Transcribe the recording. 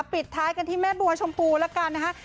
ปิดท้ายกันที่แม่บัวชมพูละกันนะคะ